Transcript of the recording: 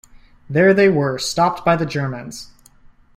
There they were stopped by the Germans.